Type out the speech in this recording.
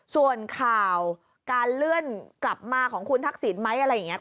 ส่วนข่าวการเลื่อนกลับมาของคุณทักษิณไหมอะไรอย่างนี้